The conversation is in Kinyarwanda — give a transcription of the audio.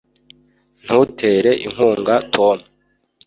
ntutere inkunga tom